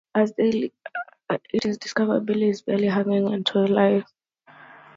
As they are leaving it is discovered Billy is barely hanging onto life.